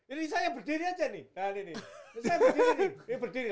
ini saya berdiri aja nih